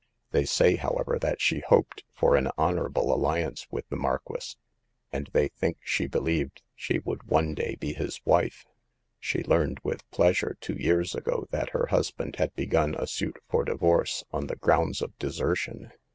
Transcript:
They say, however, that she hoped for an honorable alliance with the Marquis, and they think she believed she would one day be his wife. She learned with pleasure, two years ago, that her husband had begun a suit for divorce on the ground of desertion.